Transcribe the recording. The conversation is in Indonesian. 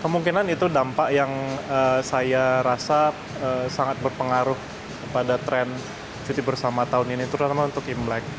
kemungkinan itu dampak yang saya rasa sangat berpengaruh pada tren cuti bersama tahun ini terutama untuk imlek